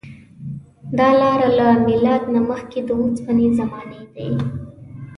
دا لاره له میلاد نه مخکې د اوسپنې زمانې ده.